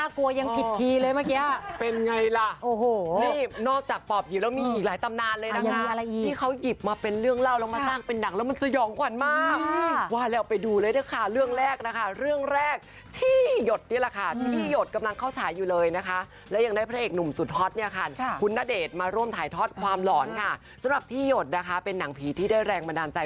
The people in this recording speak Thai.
ความหลอนค่ะสำหรับที่หยดเป็นหนังผีที่ได้แรงบันดาลใจ